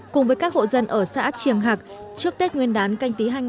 cùng với các hộ dân ở xã triềng hạc trước tết nguyên đán canh tí hai nghìn hai mươi